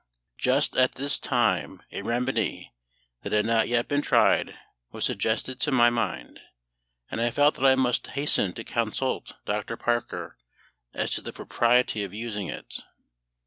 Just at this time a remedy that had not yet been tried was suggested to my mind, and I felt that I must hasten to consult Dr. Parker as to the propriety of using it.